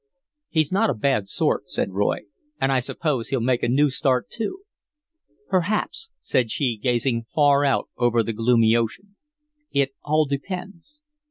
"He's not a bad sort," said Roy. "And I suppose he'll make a new start, too." "Perhaps," said she, gazing far out over the gloomy ocean. "It all depends."